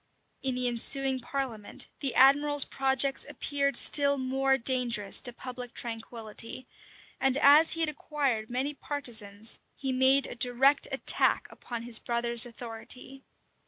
In the ensuing parliament, the admiral's projects appeared still more dangerous to public tranquillity; and as he had acquired many partisans, he made a direct attack upon his brother's authority.